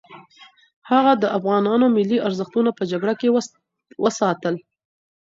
هغه د افغانانو ملي ارزښتونه په جګړه کې وساتل.